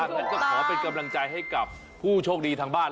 งั้นก็ขอเป็นกำลังใจให้กับผู้โชคดีทางบ้าน